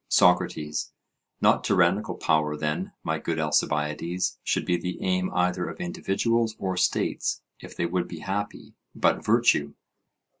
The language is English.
SOCRATES: Not tyrannical power, then, my good Alcibiades, should be the aim either of individuals or states, if they would be happy, but virtue.